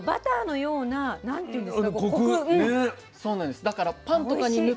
そうなんです。